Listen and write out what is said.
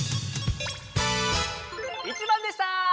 ①ばんでした！